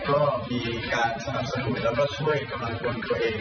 ก็มีการสนับสนุนแล้วก็ช่วยกำลังพลตัวเอง